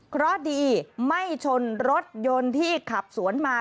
เพราะดีไม่ชนรถยนต์ที่ขับสวนมา